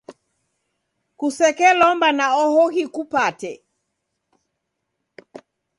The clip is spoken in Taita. kusekelomba na oho ghikupate.